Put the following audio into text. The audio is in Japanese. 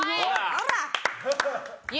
ほら！